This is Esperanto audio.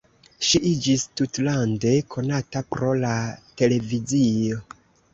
Ŝi iĝis tutlande konata pro la televizio.